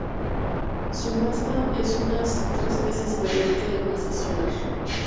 Su masa es unas tres veces mayor que la masa solar.